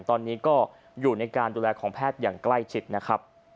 ตอนนี้ก็อยู่ในการดูแลของแพทย์อย่างใกล้ชิดนะครับ